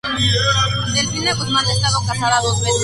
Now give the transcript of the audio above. Delfina Guzmán ha estado casada dos veces.